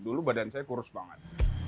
dulu badan saya kurus banget